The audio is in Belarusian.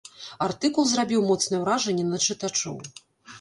Артыкул зрабіў моцнае ўражанне на чытачоў.